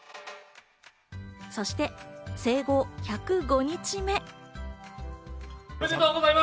そして生後１０５日目。